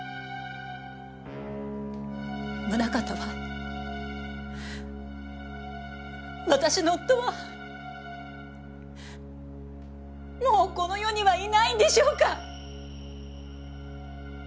宗形は私の夫はもうこの世にはいないんでしょうか？